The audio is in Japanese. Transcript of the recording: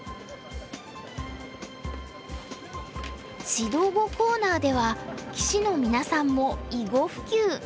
指導碁コーナーでは棋士の皆さんも囲碁普及。